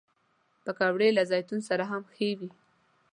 پکورې له زیتون سره هم ښه وي